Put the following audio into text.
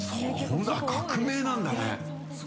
革命なんだね。